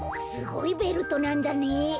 すごいベルトなんだねえ。